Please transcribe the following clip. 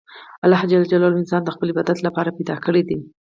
الله جل جلاله انسان د خپل عبادت له پاره پیدا کړى دئ.